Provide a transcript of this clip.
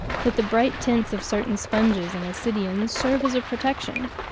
that the bright tints of certain sponges and ascidians serve as a protection.